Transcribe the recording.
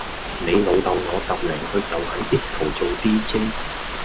你老豆我十零歲就喺 disco 做 dj